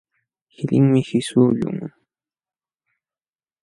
Qilinmi qisququlqun.